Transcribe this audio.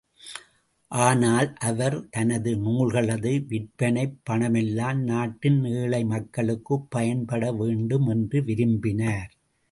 ஆனால், அவர், தனது நூல்களது விற்பனைப் பணமெல்லாம் நாட்டின் ஏழை மக்களுக்குப் பயன்பட வேண்டு என்று விரும்பினார்.